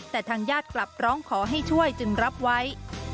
แต่ทางญาติกลับร้องขอให้ช่วยจึงรับไว้